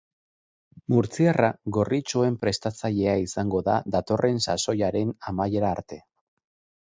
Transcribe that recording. Murtziarra gorritxoen prestatzailea izango da datorren sasoiaren amaiera arte.